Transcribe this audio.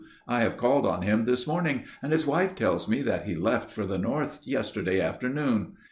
I have called on him this morning and his wife tells me that he left for the North yesterday afternoon.